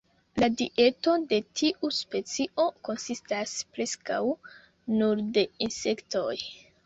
La dieto de tiu specio konsistas preskaŭ nur de insektoj.